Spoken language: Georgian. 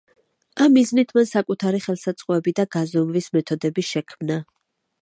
ამ მიზნით მან საკუთარი ხელსაწყოები და გაზომვის მეთოდები შექმნა.